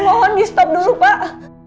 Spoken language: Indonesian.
mohon di stop dulu pak